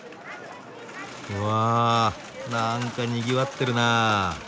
うわあなんかにぎわってるなあ。